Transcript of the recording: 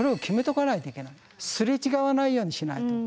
擦れ違わないようにしないと。